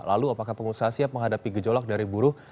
lalu apakah pengusaha siap menghadapi gejolak dari buruh